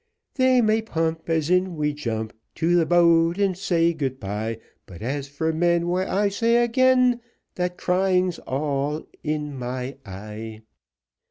They may pump, As in we jump To the boat, and say, "Good bye;" But as for men, Why, I say again, That crying's all my eye.